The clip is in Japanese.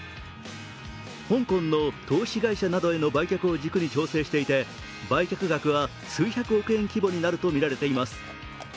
香港の投資会社などへの売却を軸に調整していて売却額は数百億円規模になるとみられています。